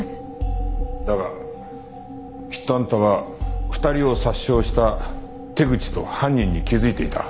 だがきっとあんたは２人を殺傷した手口と犯人に気づいていた。